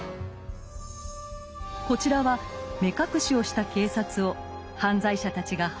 こちらは目隠しをした警察を犯罪者たちがはやしたてている風刺画。